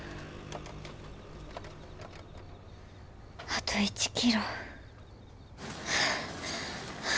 あと１キロ。